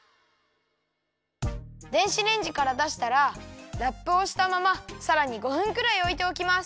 電子レンジからだしたらラップをしたままさらに５分くらいおいておきます。